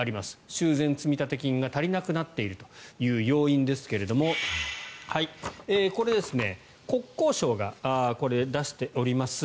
修繕積立金が足りなくなっているという要因ですがこれ、国交省が出しております